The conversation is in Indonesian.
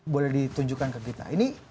boleh ditunjukkan ke kita